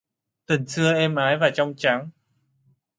Tình xưa êm ái và trong trắng